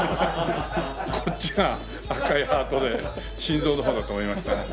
こっちが赤いハートで心臓の方かと思いました。